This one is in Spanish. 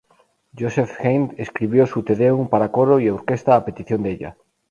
Joseph Haydn escribió su Te Deum para coro y orquesta a petición de ella.